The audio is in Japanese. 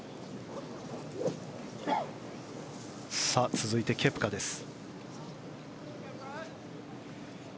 続いて、ケプカです。